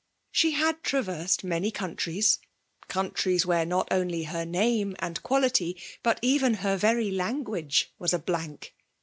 '* She had trav^sed many countries, — coun tries where not only her name and quality, but even her very language, was a blank.